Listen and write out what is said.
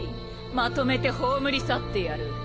まとめて葬り去ってやる！